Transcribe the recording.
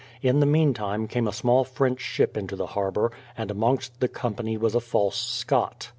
In the meantime came a small French ship into the harbour, and amongst the company was a false Scot.